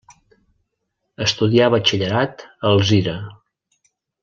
Estudià batxillerat a Alzira.